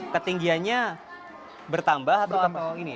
ketinggiannya bertambah atau gini